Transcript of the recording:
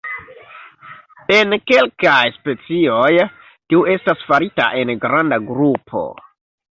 En kelkaj specioj, tiu estas farita en granda grupo.